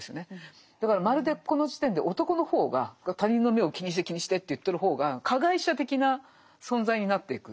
だからまるでこの時点で男の方が他人の目を気にして気にしてと言ってる方が加害者的な存在になっていく。